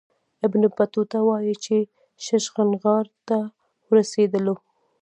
ابن بطوطه وايي چې ششنغار ته ورسېدلو.